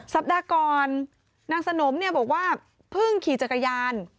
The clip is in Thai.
สัปดาห์ก่อนนางสนมเนี่ยบอกว่าเพิ่งขี่จักรยาน